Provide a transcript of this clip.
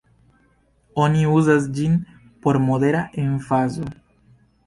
Oni uzas ĝin por modera emfazo.